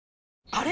あれ？